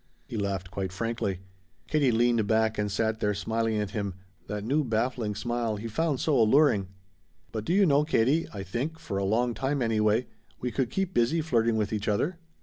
He laughed quite frankly. Katie leaned back and sat there smiling at him, that new baffling smile he found so alluring. "But do you know, Katie, I think, for a long time, anyway, we could keep busy flirting with each other."